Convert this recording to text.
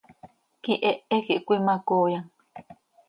Quihehe quih cöimacooyam.